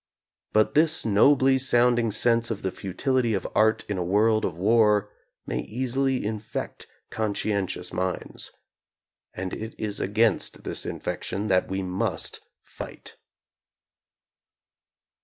But this nobly sounding sense of the futility of art in a world of war may easily infect conscientious minds. And it is against this infection that we must fight.